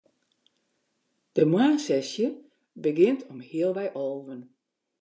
De moarnssesje begjint om healwei alven.